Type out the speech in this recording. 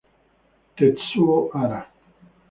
Tetsuo Hara